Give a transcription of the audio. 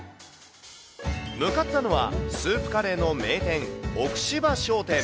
向かったのは、スープカレーの名店、奥芝商店。